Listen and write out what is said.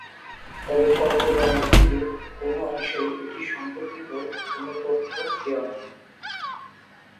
তবে কবর বা মসজিদে কোন অংশেই এটি সম্পর্কিত কোন তথ্য দেয়া নেই।